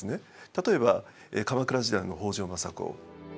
例えば鎌倉時代の北条政子。